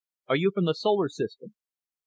ARE YOU FROM SOLAR SYSTEM A.